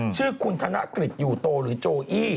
ชื่อคุณธนกฤษอยู่โตหรือโจอี้